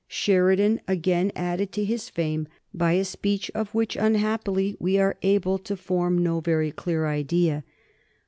Sheridan again added to his fame by a speech of which, unhappily, we are able to form no very clear idea.